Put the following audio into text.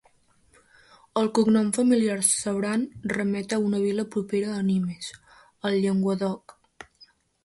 El cognom familiar, Sabran, remet a una vila propera a Nimes, al Llenguadoc.